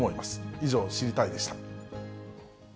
以上、知りたいッ！でした。